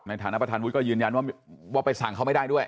ในฐานะประธานวุฒิก็ยืนยันว่าไปสั่งเขาไม่ได้ด้วย